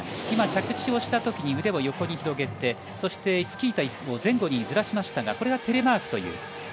今、着地をしたときに腕を横に広げてスキー板を前後にずらしましたがこれがテレマークという。